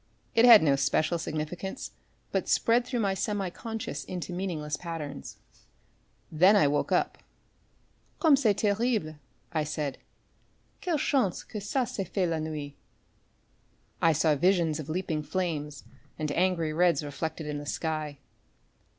It had no special significance, but spread through my semi consciousness into meaningless patterns. Then I woke up. "Comme c'est terrible," I said, "quelle chance que ça s'est fait la nuit!" I saw visions of leaping flames and angry reds reflected in the sky.